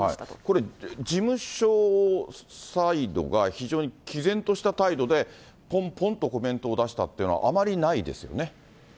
これ、事務所サイドが非常にきぜんとした態度で、ぽんぽんとコメントを出したっていうのは、あまりないですよね。